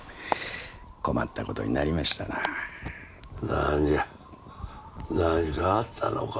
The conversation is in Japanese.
何じゃ何かあったのか？